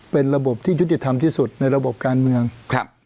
เป็นระบบที่ยุติธรรมที่สุดในระบบการเมืองครับ